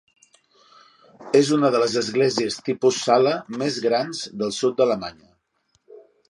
És una de les esglésies tipus sala més grans del sud d'Alemanya.